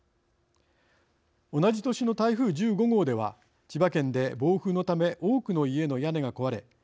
同じ年の台風１５号では千葉県で暴風のため多くの家の屋根が壊れ